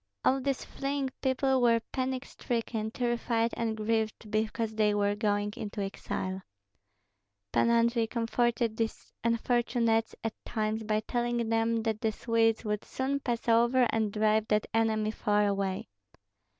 All these fleeing people were panic stricken, terrified and grieved because they were going into exile. Pan Andrei comforted these unfortunates at times by telling them that the Swedes would soon pass over and drive that enemy far away.